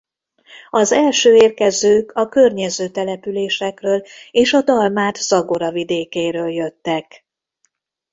Az első érkezők a környező településekről és a dalmát Zagora vidékéről jöttek.